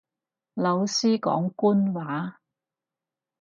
老師講官話